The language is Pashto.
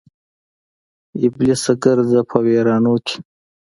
ابلیسه ګرځه په ویرانو کې